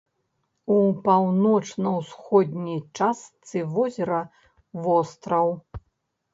У паўночна-ўсходняй частцы возера востраў.